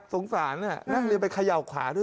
สงสารนักเรียนไปเขย่าขวาด้วย